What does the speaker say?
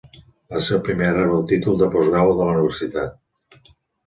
Va ser el primer a rebre el títol de postgrau de la universitat.